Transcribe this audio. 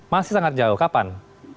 masih sangat jauh kapan